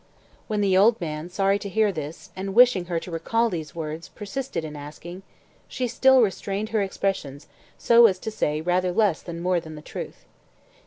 When the old man, sorry to hear this, and wishing her to recall these words, persisted in asking, she still restrained her expressions so as to say rather less than more than the truth.